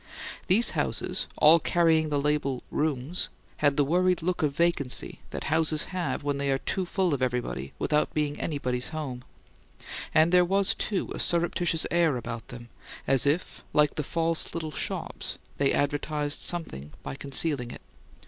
These houses, all carrying the label. "Rooms," had the worried look of vacancy that houses have when they are too full of everybody without being anybody's home; and there was, too, a surreptitious air about them, as if, like the false little shops, they advertised something by concealing it.